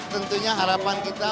tentunya harapan kita